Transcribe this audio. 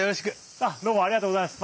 あっどうもありがとうございます。